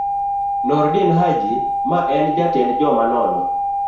Nordin Hajji, ma en jatend joma nono